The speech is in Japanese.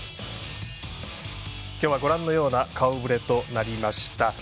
今日はご覧のような顔ぶれとなりました。